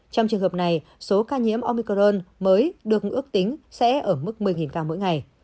trong trường hợp này số ca nhiễm omicron mới được ước tính sẽ ở mức một mươi ca mỗi ngày